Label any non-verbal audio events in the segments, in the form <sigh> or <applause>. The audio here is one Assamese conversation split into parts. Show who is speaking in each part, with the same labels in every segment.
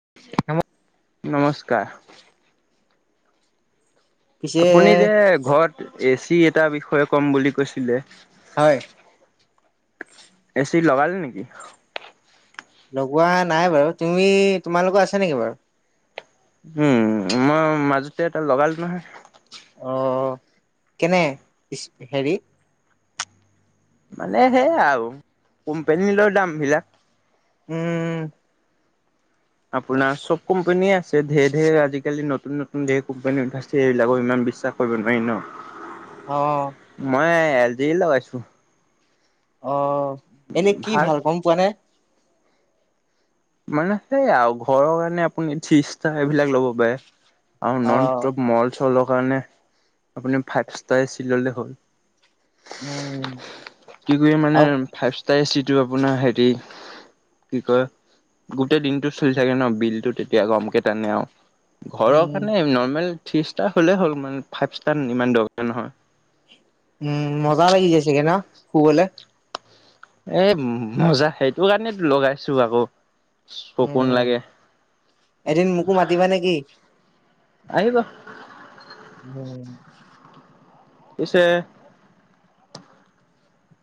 Speaker 1: <unintelligible>
Speaker 2: নমস্কাৰ।
Speaker 1: পিছে
Speaker 2: আপুনি যে ঘৰত এ চি এটা বিষয়ে কম বুলি কৈছিলে
Speaker 1: হয়
Speaker 2: এ চি লগালে নেকি?
Speaker 1: লগোৱা নাই বাৰু, তুমি তোমালোকৰ আছে নেকি বাৰু?
Speaker 2: উম, মই মাজতে এটা লগালো নহয়।
Speaker 1: অঁ, কেনে হেৰি
Speaker 2: মানে সেইয়া আৰু কোম্পানীলৈ দাম বিলাক।
Speaker 1: উম
Speaker 2: আপোনাৰ চব কোম্পানীয়ে আছে, ঢেৰ-ঢেৰ আজিকালি নতুন- নতুন ধেৰ কোম্পানী উলাইছে, এইবিলাকক ইমান বিশ্বাস কৰিব নোৱাৰি
Speaker 1: অ
Speaker 2: ন। মই এল জি এ লগাইছো।
Speaker 1: অঁ এনে কি ভাল, গম পোৱানে।
Speaker 2: মানে সেই আৰু ঘৰৰ কাৰণে আপুনি থ্ৰী ষ্টাৰ এইবিলাক ল'ব পাৰে। আৰু
Speaker 1: অ
Speaker 2: নন ষ্টপ মল চলক কাৰণে আপুনি ফাইভষ্টাৰ এ চি ল'লে হ'ল।
Speaker 1: উম
Speaker 2: কি কৰি মানে
Speaker 1: আৰু
Speaker 2: ফাইভ ষ্টাৰ এ চি এইটো আপোনাৰ হেৰি, কি কয় গোটেই দিনটো চলি থাকে ন, বিলটো তেতিয়া কমকে টানে আৰু। ঘৰৰ
Speaker 1: উম
Speaker 2: কাৰণে নৰ্মেল থ্ৰী ষ্টাৰ হ'লেই হ'ল মানে ফাইভষ্টাৰ ইমান দৰকাৰ নহয়।
Speaker 1: উম মজা লাগি গৈছে গে ন, শুবলে।
Speaker 2: এ মজা, সেইটো কাৰণেটো লগাইছো আকৌ। চকু
Speaker 1: উম,
Speaker 2: নালাগে।
Speaker 1: এদিন মোকো মাতিবা নেকি?
Speaker 2: আহিব।
Speaker 1: উম।
Speaker 2: পিছে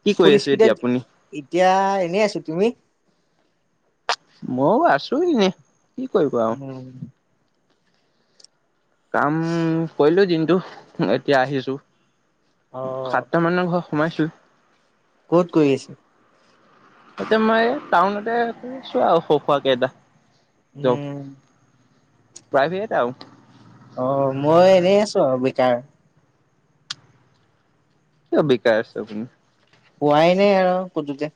Speaker 2: কি
Speaker 1: ফুল
Speaker 2: কৰি আছে
Speaker 1: স্পীডত
Speaker 2: এতিয়া আপুনি?
Speaker 1: এতিয়া এনেই আছো, তুমি?
Speaker 2: মই আছো এনে। কি কৰিব আৰু।
Speaker 1: উম
Speaker 2: কাম কৰিলোঁ দিন টো, এতিয়া আহিছো।
Speaker 1: অ
Speaker 2: সাতটা মানৰ ঘৰ সোমাইছো।
Speaker 1: ক'ত কৰিলি গৈছে?
Speaker 2: এতিয়া মই টাউনতে কৰিছো আৰু শৰু খোৱা কেইটা।
Speaker 1: হম।
Speaker 2: প্ৰাইভেট আওঁ।
Speaker 1: অ', মই এনেই আছো আৰু বিকাৰ।
Speaker 2: কিয় বেকাৰ আছেপ আপুনি?
Speaker 1: পোৱাই নাই আৰু কতোতে।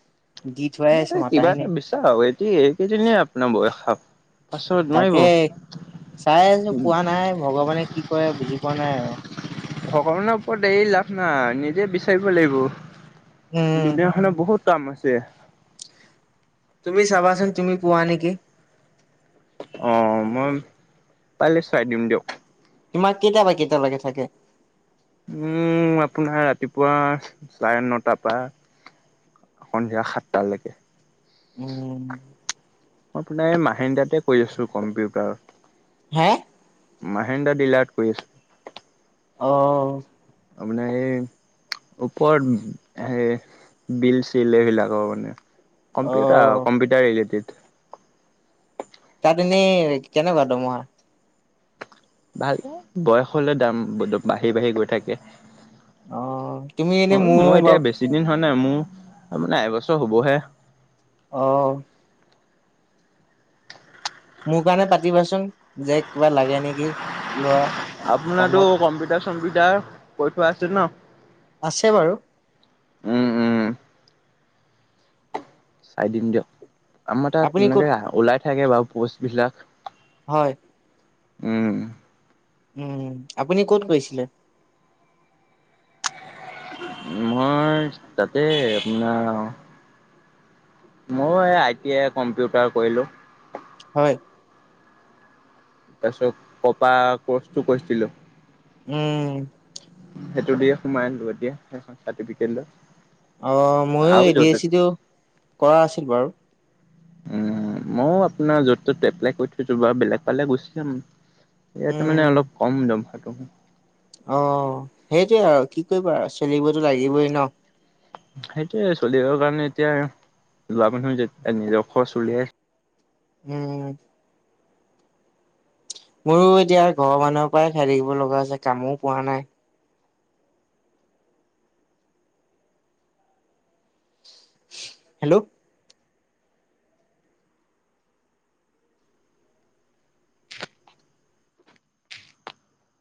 Speaker 1: দি থৈ আহিছো মাতাই নাই।
Speaker 2: এইকেইদিনিয় আপোনাৰ বয়সাও
Speaker 1: তাকে চাইছো পোৱা নাই ভগৱানে কি কৰে বুজি পোৱা নাই আৰু।
Speaker 2: ভগৱানৰ ওপৰত এই লাভ নাই নিজে বিচাৰিব লাগিব।
Speaker 1: উম
Speaker 2: যুলিয় খানা বহুত কাম আছে।
Speaker 1: তুমি চাবাচোন তুমি পোৱা নেকি।
Speaker 2: অ', মই পালে চাই দিম দিয়ক।
Speaker 1: তোমাক কেইটা পা কেইটালৈকে থাকে?
Speaker 2: উম, আপোনাৰ ৰাতিপুৱা চাৰে নটাৰ পৰা সন্ধিয়া সাতটালৈকে।
Speaker 1: উম।
Speaker 2: মই আপোনাৰ এই মাহেন্দ দাতে কৈ আছো কম্পিউটাৰ।
Speaker 1: হে?
Speaker 2: মাহেন্দ্ৰ ডিলাৰত কৈ আছো।
Speaker 1: অ'।
Speaker 2: আপানে সেই ওপৰত সেই বিল চিল এইবিলাকৰ মানে।
Speaker 1: অ
Speaker 2: কম্পিউটাৰ কম্পিউটাৰ ৰিলেটেড।
Speaker 1: তাত এনেই কেনেকুৱা তোমাৰ?
Speaker 2: ভাল বয়স হলে দাম বাঢ়ি, বাঢ়ি গৈ থাকে।
Speaker 1: অহ ', তুমি এনেই মোৰ বাৰু।
Speaker 2: নে মোৰ মানে এবছৰ হ'বহে।
Speaker 1: অহ ', মোৰ কাৰণে পাতিবাচোন যে কিবা লাগে নেকি লৰা।
Speaker 2: আপোনাৰো
Speaker 1: কামত
Speaker 2: কম্পিউটাৰ চম্পিওতাৰ কৰি ঠোৱা আছে ন।
Speaker 1: আছে বাৰু।
Speaker 2: উম', - উম', চাই দিম দিয়ক। আমাৰ তাত
Speaker 1: আপুনি ক'ত
Speaker 2: তেনেকে ওলাই। থাকে বাৰু পোষ্ট বিলাক।
Speaker 1: হয়।
Speaker 2: উম',
Speaker 1: উম', আপুনি কত গৈছিলে।
Speaker 2: মই তাতে আপোনাৰ। মই এই আই টি আই কম্পিউটাৰ কৰিলো।
Speaker 1: হয়।
Speaker 2: তাৰপিছত কপা কচটো কৈছিলো।
Speaker 1: উম',
Speaker 2: সেইটো দ সোমাই আনিলো এতিয়া সেই চাৰ্টিফিকেট লৈ।
Speaker 1: অহ ', ময়ো
Speaker 2: আৰু
Speaker 1: এ ডি এছ
Speaker 2: য'তে
Speaker 1: চিটো কৰা আছিল বাৰু।
Speaker 2: উম ', মইও আপোনাৰ য'ত ত'ত এপ্লাই কৰি থৈছো বা বেলেগ পালে গৈছিল যাম। ইয়াত মানে
Speaker 1: উম
Speaker 2: অলপ কম দাম। থটো।
Speaker 1: অহ ', সেইটোৱে আৰু কি কৰিবা আৰু চলিবতো লাগিবই ন।
Speaker 2: সেইটোয়ে চলিবৰ কাৰণে এতিয়া লোৱা মানুহ যে নিজৰ খৰচ উলিয়াইছে।
Speaker 1: উম', মোৰো এতিয়া ঘৰৰ মানুহৰ পৰাই খাই থাকিব লগা আছে কামো পোৱা নাই। হেল্ল',